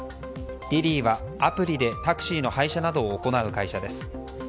ＤｉＤｉはアプリでタクシーの配車などを行う会社です。